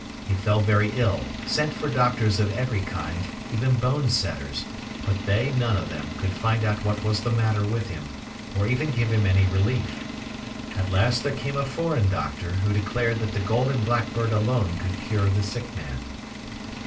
He fell very ill, sent for doctors of every kind, even bonesetters, but they, none of them, could find out what was the matter with him, or even give him any relief. At last there came a foreign doctor, who declared that the Golden Blackbird alone could cure the sick man.